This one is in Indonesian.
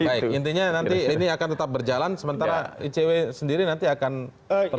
baik intinya nanti ini akan tetap berjalan sementara icw sendiri nanti akan kembali